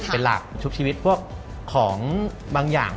เป็นหลักทุกชีวิตพวกของบางอย่าง